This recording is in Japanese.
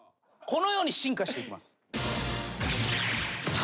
このように進化していきます。